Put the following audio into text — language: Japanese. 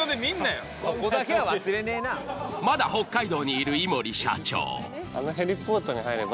まだ北海道にいるいもり社長。